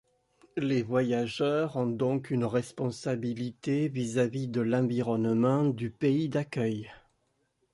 Les voyageurs ont donc une responsabilité vis-à-vis de l'environnement du pays d'accueil.